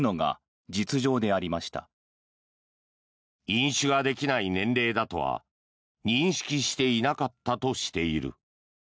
飲酒ができない年齢だとは認識していなかったとしている。